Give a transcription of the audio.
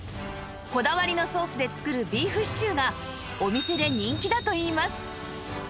こだわりのソースで作るビーフシチューがお店で人気だといいます